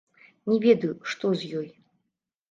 Не ведаю, што з ёй.